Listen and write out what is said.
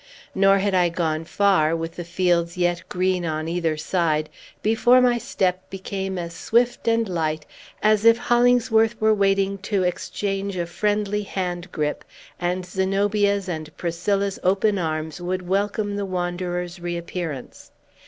Nor had I gone far, with fields yet green on either side, before my step became as swift and light as if Hollingsworth were waiting to exchange a friendly hand grip, and Zenobia's and Priscilla's open arms would welcome the wanderer's reappearance.